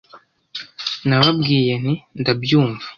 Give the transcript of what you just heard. nababwiye nti ndabyumva